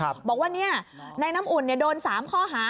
บอกว่าในน้ำอุ่นโดน๓ข้อหา